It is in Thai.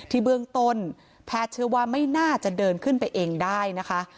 เบื้องต้นแพทย์เชื่อว่าไม่น่าจะเดินขึ้นไปเองได้นะคะ